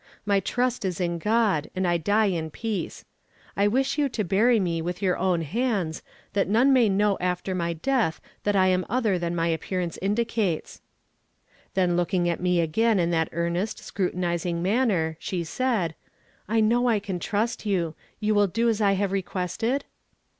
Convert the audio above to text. My trust is in God, and I die in peace. I wish you to bury me with your own hands, that none may know after my death that I am other than my appearance indicates." Then looking at me again in that earnest, scrutinizing manner, she said: "I know I can trust you you will do as I have requested?"